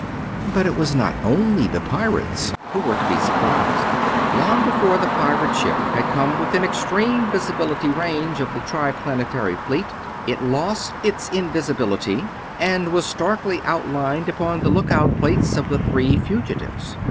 But it was not only the pirates who were to be surprised. Long before the pirate ship had come within extreme visibility range of the Triplanetary Fleet it lost its invisibility and was starkly outlined upon the lookout plates of the three fugitives.